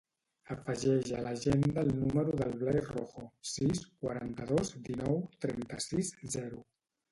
Afegeix a l'agenda el número del Blai Rojo: sis, quaranta-dos, dinou, trenta-sis, zero.